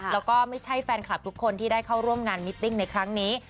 แล้วก็ไม่ใช่แฟนคลับทุกคนที่ได้เข้าร่วมงานมิตติ้งในครั้งนี้